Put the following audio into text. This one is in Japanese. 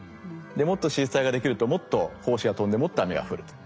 もっと子実体ができるともっと胞子が飛んでもっと雨が降ると。